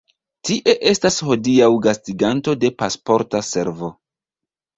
Tie estas hodiaŭ gastiganto de Pasporta Servo.